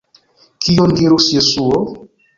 Kion dirus Jesuo?